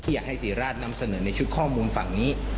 อยากให้ศรีราชนำเสนอในชุดข้อมูลฝั่งนี้